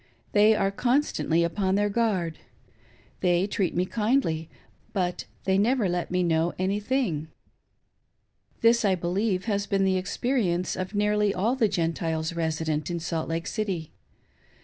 They are constantly upon their guard. They treat me kindly, but they never let me know any thing." This, I believe, has been the experience of nearly all the Gentiles resident in Salt Lake City.